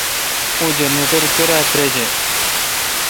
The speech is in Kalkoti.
اوں جنریٹر کرا تریجہ۔